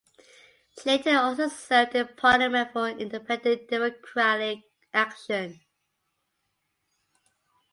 She later also served in parliament for Independent Democratic Action.